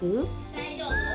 大丈夫。